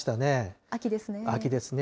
秋ですね。